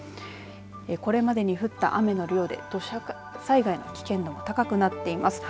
これまでに降った雨の量で土砂災害の危険度も高くなっています。